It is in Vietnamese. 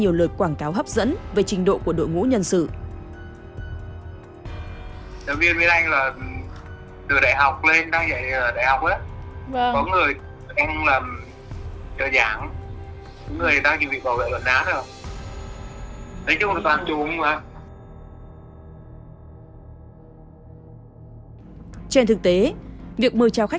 tiểu luận khoảng ba ba mươi trang thì khoảng bao nhiêu tiền hả chị